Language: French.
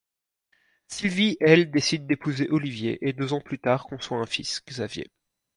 Sylvie, elle, décide d'épouser Olivier et deux ans plus tard, conçoit un fils, Xavier.